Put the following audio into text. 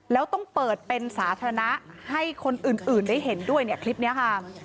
แล้วต้องเปิดเป็นสาธารณะให้คนอื่นได้เห็นด้วยเนี่ยคลิปนี้ค่ะ